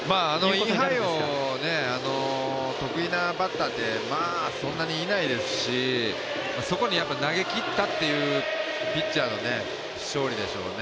インハイを得意なバッターってそんなにいないですしそこに投げきったっていうピッチャーの勝利でしょうね。